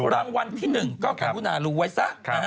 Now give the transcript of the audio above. รางวัลที่หนึ่งก็การรู้น่ารู้ไว้ซะ